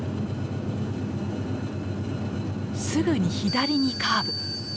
すぐに左にカーブ。